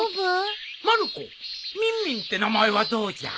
まる子ミンミンって名前はどうじゃ？